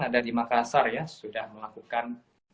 ada di makassar ya sudah melakukan